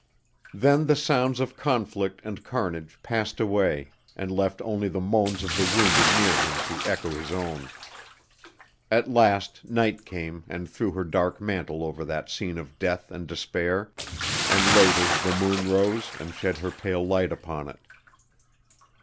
Then the sounds of conflict and carnage passed away, and left only the moans of the wounded near him to echo his own. At last night came and threw her dark mantle over that scene of death and despair, and later the moon rose and shed her pale light upon it.